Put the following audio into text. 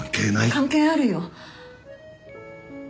関係あるよ。